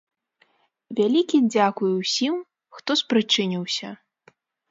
Вялікі дзякуй усім, хто спрычыніўся!